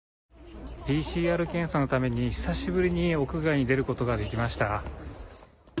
ＰＣＲ検査のために、久しぶりに屋外に出ることができました。